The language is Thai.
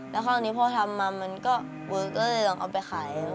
แล้วคราวนี้พอทำมามันก็เวิร์กก็เลยลองเอาไปขาย